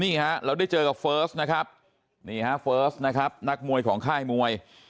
นี่ฮะเราได้เจอกับเฟิร์สนะครับนี่ฮะเฟิร์สนะครับนักมวยของค่ายมวย